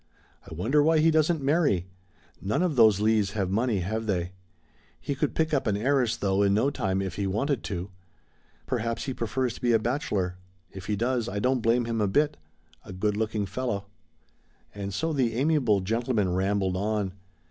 I wonder why he doesn't marry? None of those Leighs have money, have they? He could pick up an heiress, though, in no time, if he wanted to. Perhaps he prefers to be a bachelor. If he does I don't blame him a bit, a good looking young fellow " And so the amiable gentleman rambled on.